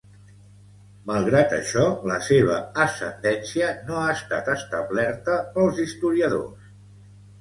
Malgrat això, la seva ascendència no ha estat establerta pels historiadors.